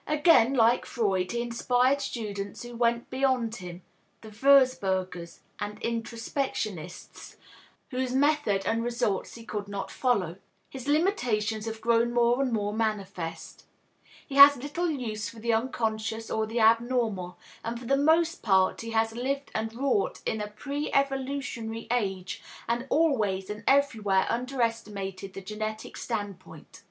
Again, like Freud, he inspired students who went beyond him (the Wurzburgers and introspectionists) whose method and results he could not follow. His limitations have grown more and more manifest. He has little use for the unconscious or the abnormal, and for the most part he has lived and wrought in a preevolutionary age and always and everywhere underestimated the genetic standpoint.